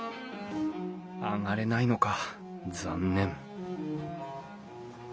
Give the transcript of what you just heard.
上がれないのか。